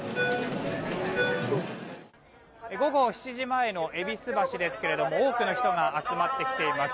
午後７時前の戎橋ですが多くの人が集まってきています。